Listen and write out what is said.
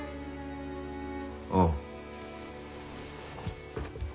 ああ。